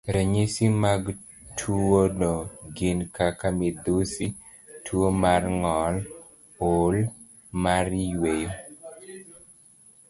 Ranyisi mag tuwono gin kaka midhusi, tuwo mar ng'ol, olo mar yweyo,